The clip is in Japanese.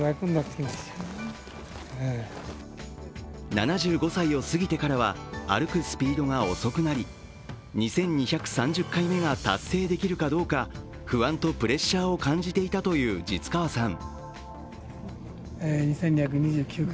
７５歳を過ぎてから歩くスピードが遅くなり２２３０回目が達成できるかどうか不安とプレッシャーを感じていたという實川さん。